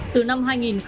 từ năm hai nghìn bốn